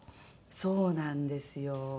そうなんですよ。